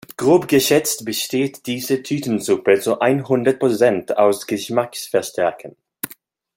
Grob geschätzt besteht diese Tütensuppe zu einhundert Prozent aus Geschmacksverstärkern.